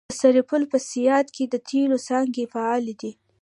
د سرپل په صیاد کې د تیلو څاګانې فعالې دي.